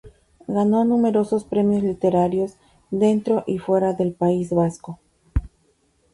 Ganó numerosos premios literarios dentro y fuera del País Vasco.